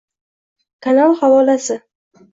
Kanal havolasi: